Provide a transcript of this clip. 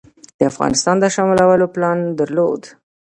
د افغانستان د شاملولو پلان درلود.